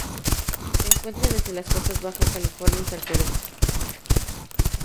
Se encuentra desde las costas de la Baja California hasta el Perú.